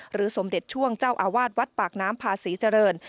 สมเด็จช่วงเจ้าอาวาสวัดปากน้ำพาศรีเจริญ